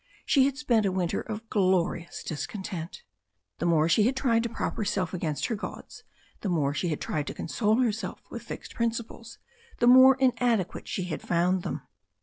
She had spent a winter of glori ous discontent. The more she had tried to prop herself against her gods, the more she had tried to console herself with fixed prin ciples, the more inadequate she had found them.